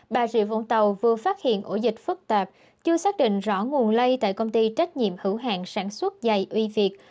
bà rịa vũng tàu vừa phát hiện ổ dịch phức tạp chưa xác định rõ nguồn lây tại công ty trách nhiệm hữu hạn sản xuất dày uy việt